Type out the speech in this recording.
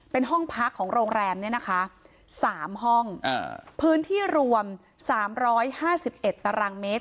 เป็นห้องพักของโรงแรมเนี้ยนะคะสามห้องอ่าพื้นที่รวมสามร้อยห้าสิบเอ็ดตารางเมตร